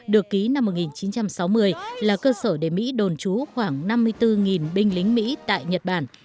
được ký năm một nghìn chín trăm sáu mươi là cơ sở để mỹ đồn trú khoảng năm mươi bốn binh lính mỹ tại nhật bản